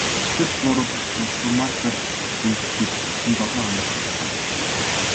Хүчдэл бууруулах трансформатор хийх гэж бүтэн долоо хоног боллоо.